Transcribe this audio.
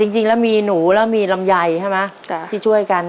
จริงแล้วมีหนูแล้วมีลำไยใช่ไหมที่ช่วยกัน